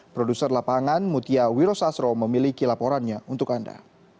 produser lapangan mutia wirosasro memiliki laporannya untuk anda